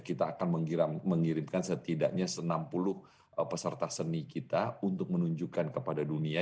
kita akan mengirimkan setidaknya enam puluh peserta seni kita untuk menunjukkan kepada dunia